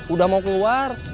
udah mau keluar